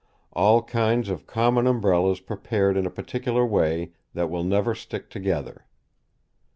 All kinds of common umbrellas prepared in a particular way, that will never stick together."